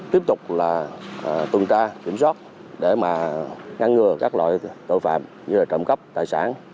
tiếp tục là tuần tra kiểm soát để mà ngăn ngừa các loại tội phạm như là trộm cắp tài sản